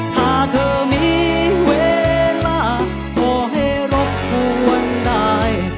ถ้าเธอมีเวลาก็ให้รบกวนได้